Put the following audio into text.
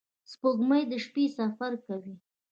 • سپوږمۍ د شپې سفر کوي.